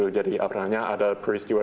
jadi apalagi ada peristiwa